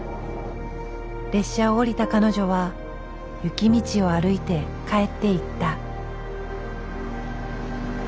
列車を降りた彼女は雪道を歩いて帰っていった。